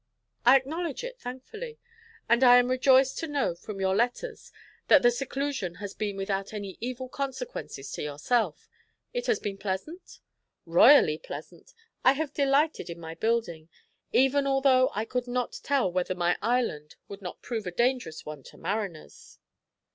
"I acknowledge it, thankfully. And I am rejoiced to know from your letters that the seclusion has been without any evil consequences to yourself. It has been pleasant?" "Royally pleasant. I have delighted in my building; even although I could not tell whether my island would not prove a dangerous one to mariners."